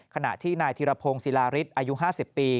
ขณะที่นายธิรพงศิลาริสอายุ๕๐ปี